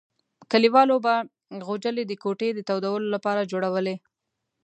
کلیوالو به غوجلې د کوټې د تودولو لپاره جوړولې.